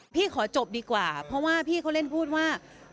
ขอจบดีกว่าเพราะว่าพี่เขาเล่นพูดว่า